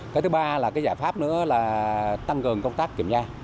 cái thứ ba là cái giải pháp nữa là tăng cường công tác kiểm tra